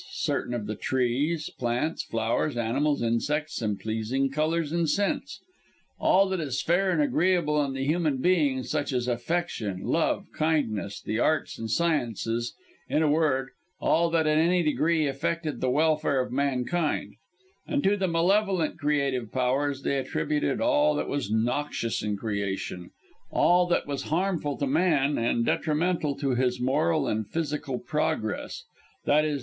_ certain of the trees, plants, flowers, animals, insects, and pleasing colours and scents); all that is fair and agreeable in the human being, such as affection, love, kindness, the arts and sciences in a word all that in any degree affected the welfare of mankind; and to the malevolent creative Powers they attributed all that was noxious in creation; all that was harmful to man, and detrimental to his moral and physical progress (_i.e.